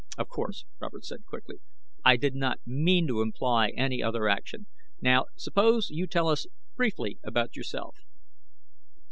"Of course," Robert said quickly. "I did not mean to imply any other action. Now suppose you tell us briefly about yourself."